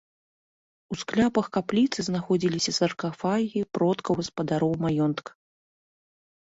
У скляпах капліцы знаходзіліся саркафагі продкаў гаспадароў маёнтка.